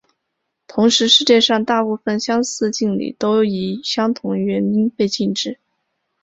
同时世界上大部份相似敬礼都以相同原因被禁止。